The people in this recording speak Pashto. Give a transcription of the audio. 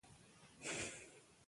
زموږ په معاصره شاعرۍ کې